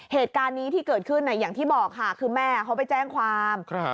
เหตุการณ์นี้ที่เกิดขึ้นอย่างที่บอกค่ะคือแม่เขาไปแจ้งความ